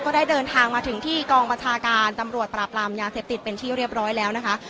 ได้เดินทางมาถึงที่กองบัญชาการตำรวจปราบรามยาเสพติดเป็นที่เรียบร้อยแล้วนะคะ